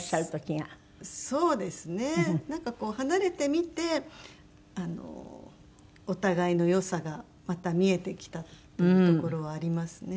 なんかこう離れてみてあのお互いの良さがまた見えてきたっていうところはありますね。